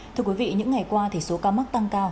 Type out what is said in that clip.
thưa quý vị những ngày qua thì số ca mắc tăng cao